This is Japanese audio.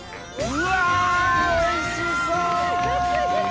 うわおいしそう！